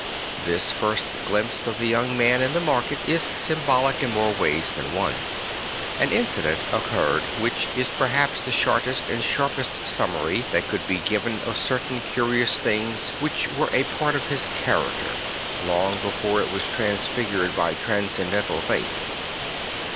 This first glimpse of the young man in the market is sym bolic in more ways than one. An incident occurred which is perhaps the shortest and sharpest summary that could be given of certain curious things which were a part of his character, long before it was transfigured by transcendental faith.